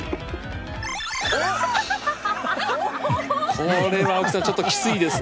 これは青木さんちょっときついですね。